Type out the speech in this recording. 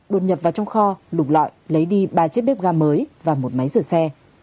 đột nhập vào trong kho lục lọi lấy đi ba chiếc bếp ga mới và một máy rửa xe